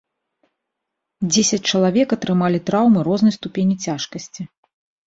Дзесяць чалавек атрымалі траўмы рознай ступені цяжкасці.